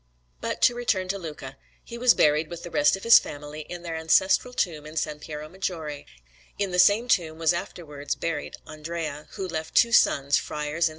Maria in Grado_) Alinari] But to return to Luca; he was buried, with the rest of his family, in their ancestral tomb in S. Piero Maggiore, and in the same tomb there was afterwards buried Andrea, who left two sons, friars in S.